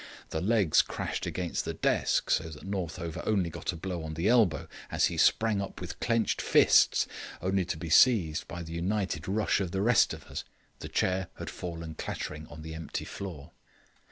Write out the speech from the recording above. The legs crashed against the desk, so that Northover only got a blow on the elbow as he sprang up with clenched fists, only to be seized by the united rush of the rest of us. The chair had fallen clattering on the empty floor.